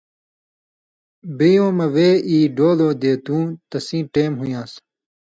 یبؤں مہ وے ای ڈولؤں دیتُوں تسیں ٹیم ہُویان٘س